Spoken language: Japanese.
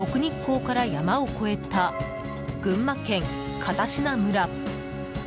向かったのは奥日光から山を越えた群馬県片品村。